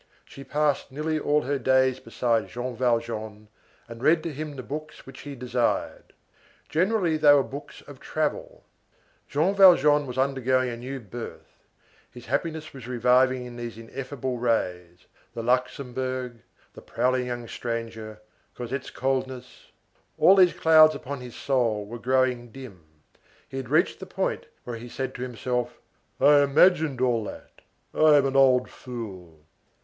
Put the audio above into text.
She passed nearly all her days beside Jean Valjean and read to him the books which he desired. Generally they were books of travel. Jean Valjean was undergoing a new birth; his happiness was reviving in these ineffable rays; the Luxembourg, the prowling young stranger, Cosette's coldness,—all these clouds upon his soul were growing dim. He had reached the point where he said to himself: "I imagined all that. I am an old fool."